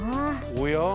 おや？